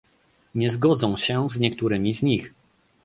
Nie zgodzą się z niektórymi z nich